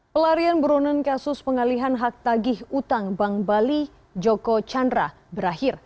pelarian burunan kasus pengalihan hak tagih utang bank bali joko chandra berakhir